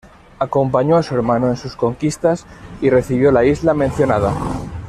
Acompañó a su hermano en sus conquistas y recibió la isla mencionada.